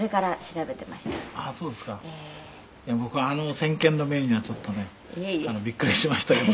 「僕あの先見の明にはちょっとねびっくりしましたよ」